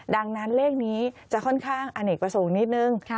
ดังนั้นเลขนี้จะค่อนข้างอเนกประสงค์นิดนึง